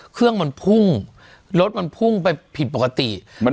เครื่องมันพุ่งรถมันพุ่งไปผิดปกติมัน